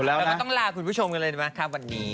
หมดแล้วค่ะเราต้องลาคุณผู้ชมกันเลยนะครับวันนี้